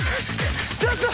ちょっと。